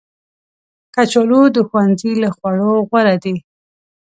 کچالو د ښوونځي له خوړو غوره دي